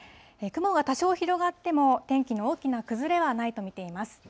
雲が多少広がっても、天気の大きな崩れはないと見ています。